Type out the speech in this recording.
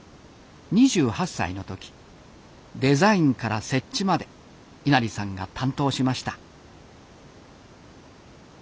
２８歳の時デザインから設置まで稲荷さんが担当しました。